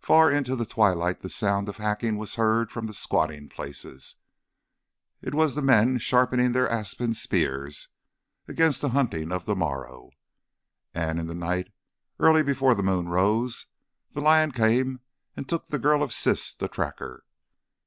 Far into the twilight the sound of hacking was heard from the squatting places. It was the men sharpening their ashen spears against the hunting of the morrow. And in the night, early before the moon rose, the lion came and took the girl of Siss the Tracker.